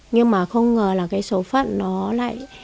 nhưng mà không ngờ là cái số phận đó lại